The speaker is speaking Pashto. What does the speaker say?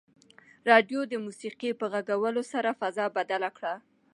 راډیو د موسیقۍ په غږولو سره فضا بدله کړه.